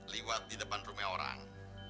liwat di depan rumah orang